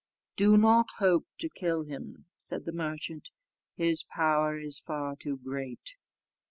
"Do not hope to kill him," said the merchant, "his power is far too great.